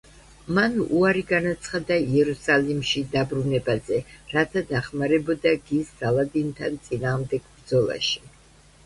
მან უარი განაცხადა იერუსალიმში დაბრუნებაზე, რათა დახმარებოდა გის სალადინთან წინააღმდეგ ბრძოლაში.